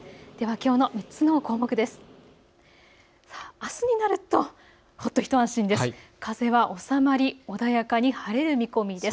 きょうの３つの項目です。